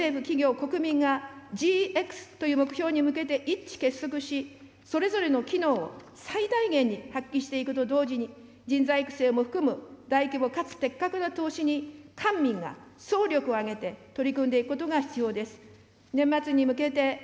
激動する国際社会の中で日本経済が再び力強い競争力を取り戻すためには、わが国の政府、企業、国民がＧＸという目標に向けて一致結束し、それぞれの機能を最大限に発揮していくと同時に人材育成も含む大規模かつ的確な投資に官民が総力を挙げて取り組んでいくことが必要です。